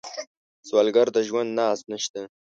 سوالګر د ژوند ناز نشته